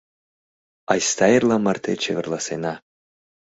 — Айста эрла марте чеверласена!